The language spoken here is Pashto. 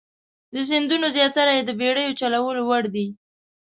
د سیندونو زیاتره یې د بیړیو چلولو وړ دي.